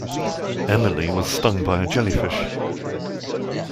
Emily was stung by a jellyfish.